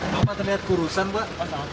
pak apa terlihat kurusan pak